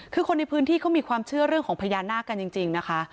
คือคนในพื้นที่เขามีความเชื่อเรื่องของพญานาคกันจริงนะคะ